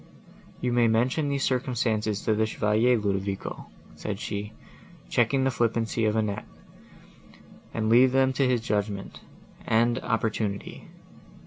"You may mention these circumstances to the Chevalier, Ludovico," said she, checking the flippancy of Annette, "and leave them to his judgment and opportunity.